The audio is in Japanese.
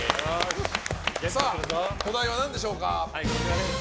お題は何でしょうか。